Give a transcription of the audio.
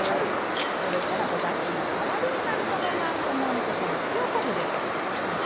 それからおだしの代わりになるのがなんとなんと、この塩昆布ですわ。